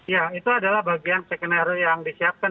ya itu adalah bagian skenario yang disiapkan